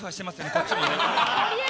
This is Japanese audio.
こっちもね。